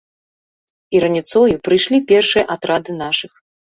І раніцою прыйшлі першыя атрады нашых.